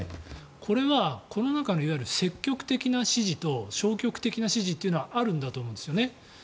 これはこの中の、積極的な支持と消極的な支持というのはあるんだと思うんですよね。